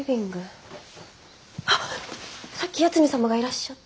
あっさっき八海サマがいらっしゃった。